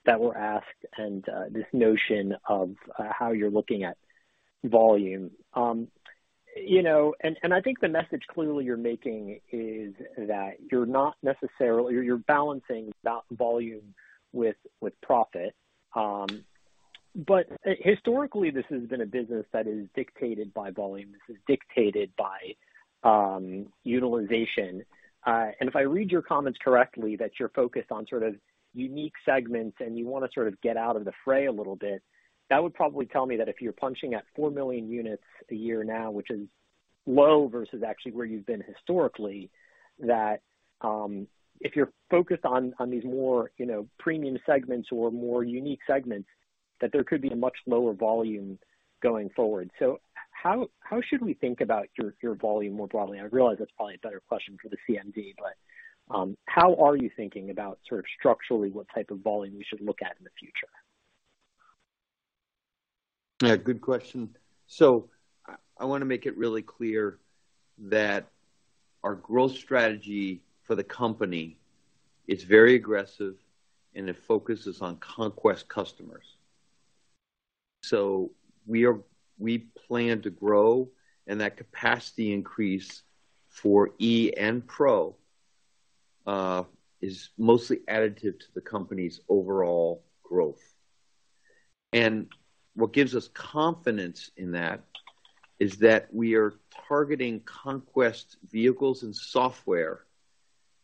that were asked and this notion of how you're looking at volume. You know, I think the message clearly you're making is that you're not necessarily. You're balancing volume with profit. Historically, this has been a business that is dictated by volume. This is dictated by utilization. If I read your comments correctly, that you're focused on sort of unique segments and you wanna sort of get out of the fray a little bit, that would probably tell me that if you're punching at 4 million units a year now, which is low versus actually where you've been historically, that, if you're focused on these more, you know, premium segments or more unique segments, that there could be a much lower volume going forward. How should we think about your volume more broadly? I realize that's probably a better question for the CMD. How are you thinking about sort of structurally what type of volume we should look at in the future? Yeah, good question. I wanna make it really clear that our growth strategy for the company is very aggressive, and it focuses on conquest customers. We plan to grow, and that capacity increase for E and Pro is mostly additive to the company's overall growth. What gives us confidence in that is that we are targeting conquest vehicles and software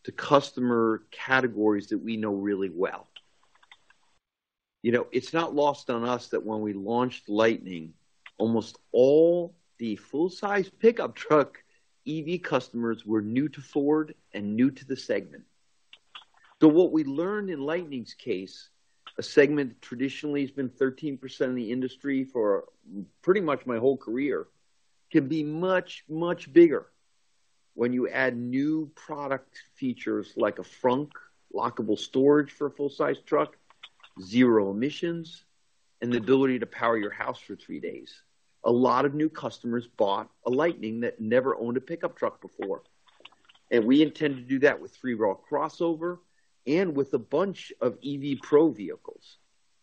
to customer categories that we know really well. You know, it's not lost on us that when we launched Lightning, almost all the full size pickup truck EV customers were new to Ford and new to the segment. What we learned in Lightning's case, a segment traditionally has been 13% of the industry for pretty much my whole career, can be much, much bigger when you add new product features like a frunk, lockable storage for a full-size truck, zero emissions, and the ability to power your house for 3 days. A lot of new customers bought a Lightning that never owned a pickup truck before, and we intend to do that with three-row crossover and with a bunch of EV Pro vehicles,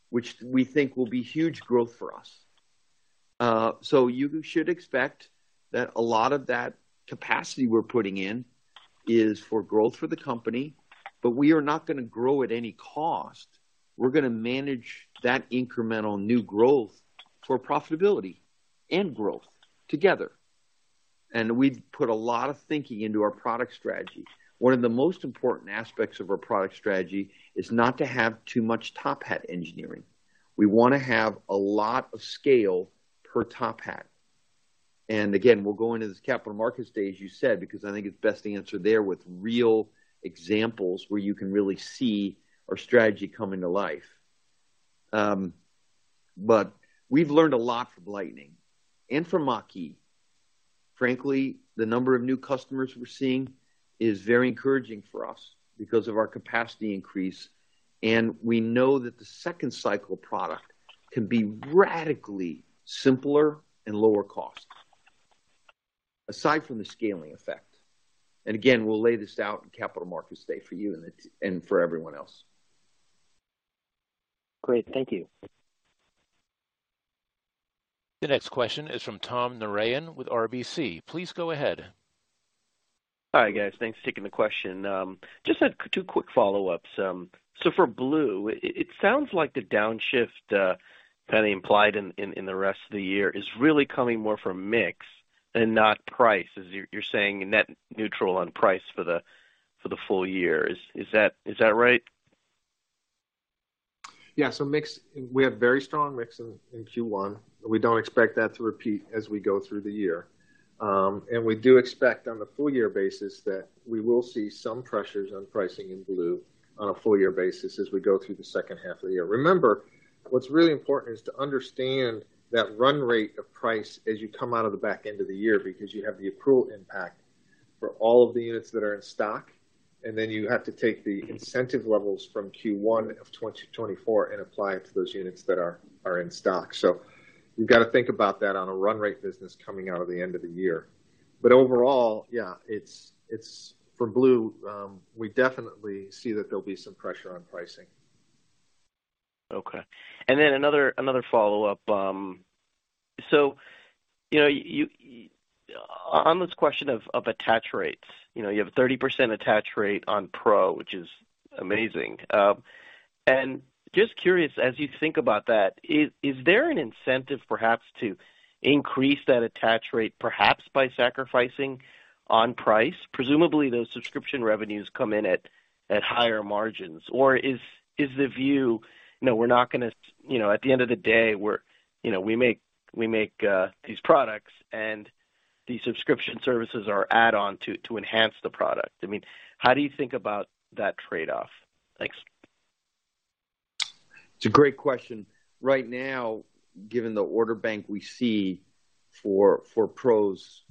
which we think will be huge growth for us. You should expect that a lot of that capacity we're putting in is for growth for the company, but we are not gonna grow at any cost. We're gonna manage that incremental new growth for profitability and growth together. We've put a lot of thinking into our product strategy. One of the most important aspects of our product strategy is not to have too much top hat engineering. We wanna have a lot of scale per top hat. Again, we'll go into this Capital Markets Day, as you said, because I think it's best to answer there with real examples where you can really see our strategy coming to life. We've learned a lot from Lightning and from Mach-E. Frankly, the number of new customers we're seeing is very encouraging for us because of our capacity increase, and we know that the second cycle product can be radically simpler and lower cost, aside from the scaling effect. Again, we'll lay this out in Capital Markets Day for you and for everyone else. Great. Thank you. The next question is from Tom Narayan with RBC. Please go ahead. Hi, guys. Thanks for taking the question. Just two quick follow-ups. For Blue, it sounds like the downshift kind of implied in the rest of the year is really coming more from mix than not price, as you're saying net neutral on price for the full year. Is that right? Mix. We have very strong mix in Q1. We don't expect that to repeat as we go through the year. We do expect on a full year basis that we will see some pressures on pricing in Blue on a full year basis as we go through the second half of the year. Remember, what's really important is to understand that run rate of price as you come out of the back end of the year, because you have the approval impact for all of the units that are in stock, and then you have to take the incentive levels from Q1 of 2024 and apply it to those units that are in stock. You've got to think about that on a run rate business coming out of the end of the year. overall, yeah, it's Ford Blue, we definitely see that there'll be some pressure on pricing. Okay. another follow-up. you know, you, on this question of attach rates, you know, you have a 30% attach rate on Ford Pro, which is amazing. just curious, as you think about that, is there an incentive perhaps to increase that attach rate, perhaps by sacrificing on price? Presumably, those subscription revenues come in at higher margins. is the view, you know, we're not gonna, you know, at the end of the day, we're, you know, we make these products and these subscription services are add-on to enhance the product. I mean, how do you think about that trade-off? Thanks. It's a great question. Right now, given the order bank we see for Pro's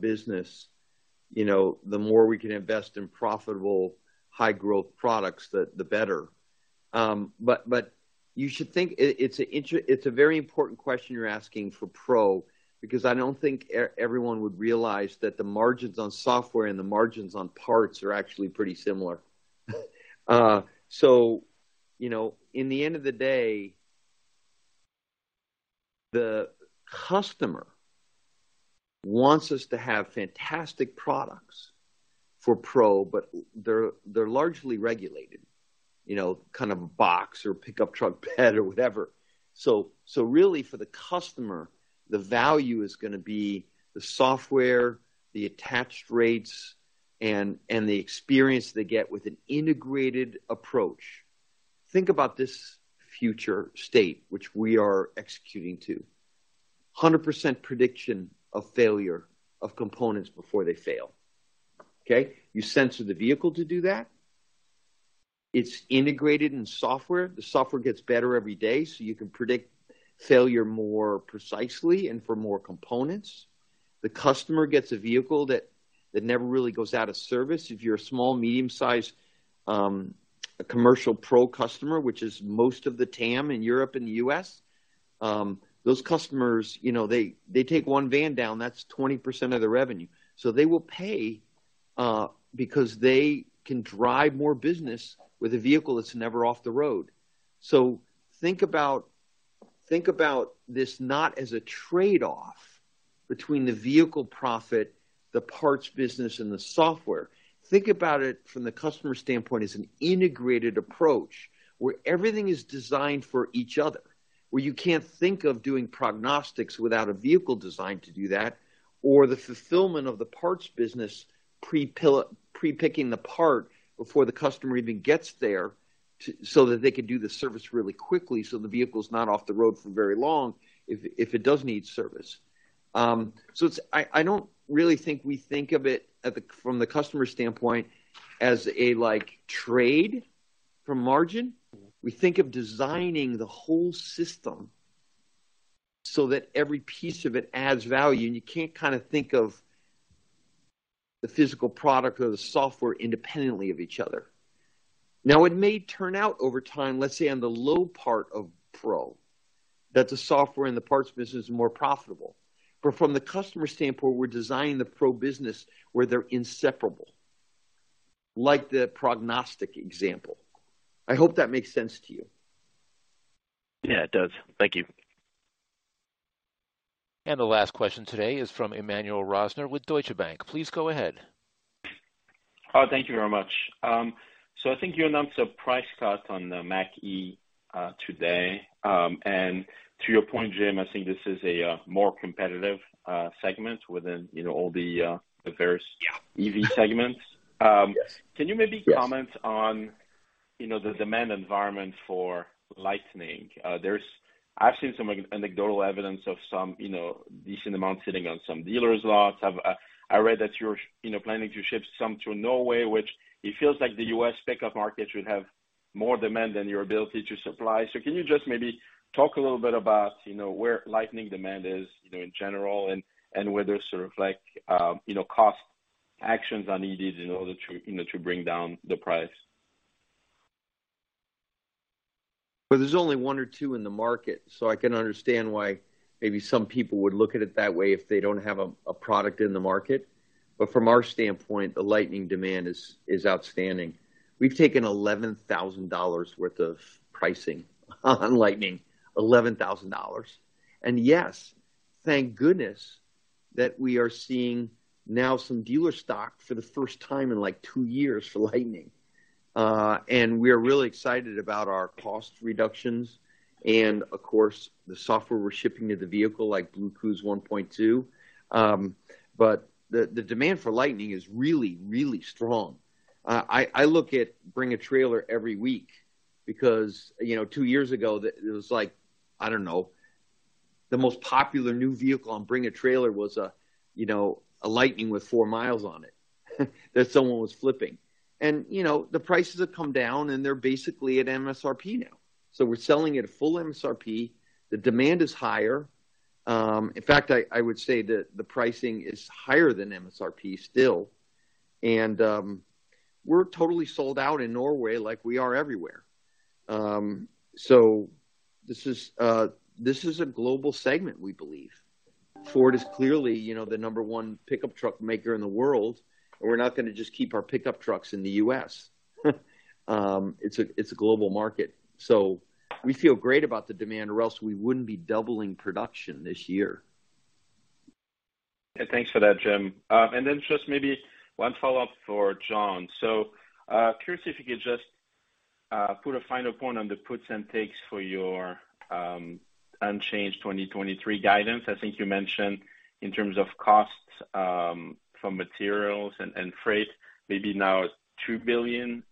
business, you know, the more we can invest in profitable high growth products, the better. But you should think it's a very important question you're asking for Pro, because I don't think everyone would realize that the margins on software and the margins on parts are actually pretty similar. You know, in the end of the day, the customer wants us to have fantastic products for Pro, but they're largely regulated, you know, kind of a box or pickup truck bed or whatever. Really for the customer, the value is gonna be the software, the attached rates and the experience they get with an integrated approach. Think about this future state, which we are executing to. 100% prediction of failure of components before they fail. Okay? You sensor the vehicle to do that. It's integrated in software. The software gets better every day, you can predict failure more precisely and for more components. The customer gets a vehicle that never really goes out of service. If you're a small, medium-sized commercial Pro customer, which is most of the TAM in Europe and U.S., those customers, you know, they take one van down, that's 20% of their revenue. Because they can drive more business with a vehicle that's never off the road. Think about this not as a trade-off between the vehicle profit, the parts business, and the software. Think about it from the customer standpoint as an integrated approach, where everything is designed for each other, where you can't think of doing prognostics without a vehicle designed to do that, or the fulfillment of the parts business pre-picking the part before the customer even gets there to so that they can do the service really quickly, so the vehicle's not off the road for very long if it does need service. I don't really think we think of it from the customer standpoint as a like trade from margin. We think of designing the whole system so that every piece of it adds value, and you can't kind of think of the physical product or the software independently of each other. Now, it may turn out over time, let's say on the low part of Pro, that the software and the parts business are more profitable. From the customer standpoint, we're designing the Pro business where they're inseparable, like the prognostic example. I hope that makes sense to you. Yeah, it does. Thank you. The last question today is from Emmanuel Rosner with Deutsche Bank. Please go ahead. Oh, thank you very much. I think you announced a price cut on the Mach-E today. To your point, Jim, I think this is a more competitive segment within, you know, all the. Yeah. EV segments. Yes. Can you maybe comment on, you know, the demand environment for Lightning? There's I've seen some anecdotal evidence of some, you know, decent amounts sitting on some dealers' lots. I've I read that you're, you know, planning to ship some to Norway, which it feels like the U.S. pickup market should have more demand than your ability to supply. Can you just maybe talk a little bit about, you know, where Lightning demand is, you know, in general and whether sort of like, you know, cost actions are needed in order to, you know, to bring down the price? There's only one or two in the market, so I can understand why maybe some people would look at it that way if they don't have a product in the market. From our standpoint, the Lightning demand is outstanding. We've taken $11,000 worth of pricing on Lightning. $11,000. Yes, thank goodness that we are seeing now some dealer stock for the first time in, like, two years for Lightning. We're really excited about our cost reductions and of course, the software we're shipping to the vehicle like BlueCruise 1.2. The demand for Lightning is really, really strong. I look at Bring a Trailer every week because, you know, two years ago the... it was like, I don't know, the most popular new vehicle on Bring a Trailer was a, you know, a Lightning with four miles on it that someone was flipping. You know, the prices have come down, and they're basically at MSRP now. We're selling at a full MSRP. The demand is higher. In fact, I would say the pricing is higher than MSRP still. We're totally sold out in Norway like we are everywhere. This is a global segment, we believe. Ford is clearly, you know, the number one pickup truck maker in the world, and we're not gonna just keep our pickup trucks in the U.S. It's a global market. We feel great about the demand, or else we wouldn't be doubling production this year. Thanks for that, Jim. Then just maybe one follow-up for John. Curious if you could just put a final point on the puts and takes for your unchanged 2023 guidance. I think you mentioned in terms of costs from materials and freight, maybe now it's $2 billion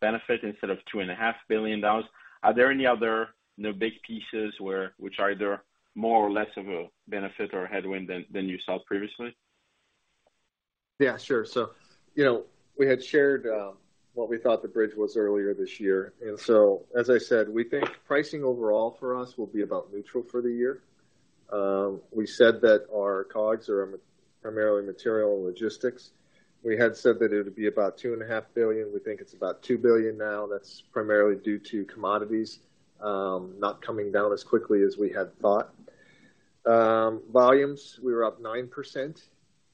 benefit instead of $2.5 billion dollars. Are there any other, you know, big pieces which are either more or less of a benefit or a headwind than you saw previously? Yeah, sure. you know, we had shared what we thought the bridge was earlier this year. As I said, we think pricing overall for us will be about neutral for the year. We said that our COGS are primarily material and logistics. We had said that it'd be about $2.5 billion. We think it's about $2 billion now. That's primarily due to commodities, not coming down as quickly as we had thought. Volumes, we were up 9%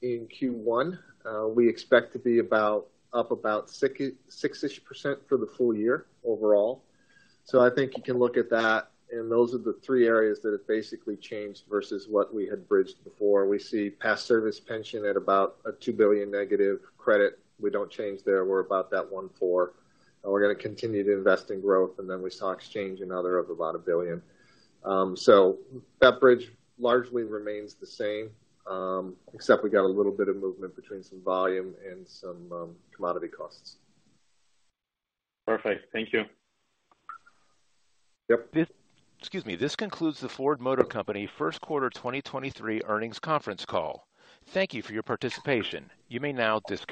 in Q1. We expect to be up about 6-ish% for the full year overall. I think you can look at that, and those are the three areas that have basically changed versus what we had bridged before. We see past service pension at about a $2 billion negative credit. We don't change there. We're about that one four, we're gonna continue to invest in growth. We saw exchange and other up about $1 billion. That bridge largely remains the same, except we got a little bit of movement between some volume and some commodity costs. Perfect. Thank you. Yep. excuse me. This concludes the Ford Motor Company First Quarter 2023 Earnings Conference Call. Thank you for your participation. You may now disconnect.